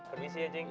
permisi ya ceng